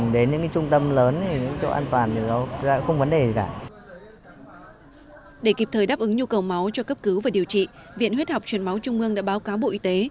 để kịp thời đáp ứng nhu cầu máu cho cấp cứu và điều trị viện huyết học truyền máu trung ương đã báo cáo bộ y tế